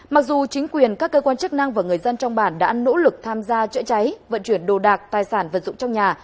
mặc dù chính quyền các cơ quan chức năng và người dân trong bản đã nỗ lực tham gia chữa cháy vận chuyển đồ đạc tài sản vật dụng trong nhà